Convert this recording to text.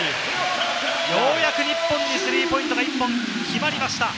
ようやく日本にスリーポイントが１本、決まりました。